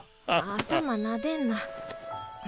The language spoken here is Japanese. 頭なでんな。